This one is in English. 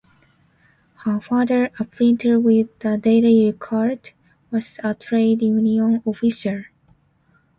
Her father, a printer with the "Daily Record", was a trade union official.